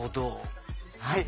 はい。